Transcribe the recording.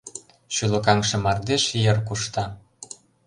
Шӱлыкаҥше мардеж йыр кушта.